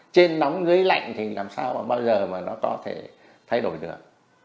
trên nóng dưới lạnh thì làm sao mà bao giờ mà nó có thể thay đổi được